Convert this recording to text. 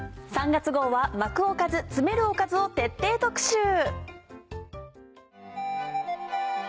３月号は「巻くおかず、詰めるおかず」を徹底特集。